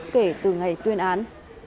kể từ ngày tuyên án